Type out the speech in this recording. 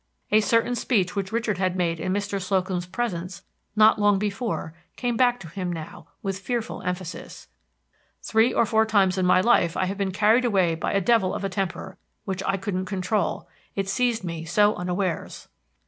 A certain speech which Richard had made in Mr. Slocum's presence not long before came back to him now with fearful emphasis: _"Three or four times in my life I have been carried away by a devil of a temper which I couldn't control, it seized me so unawares."